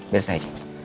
bel saya aja